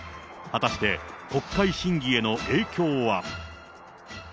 果たして、国会審議への影響は。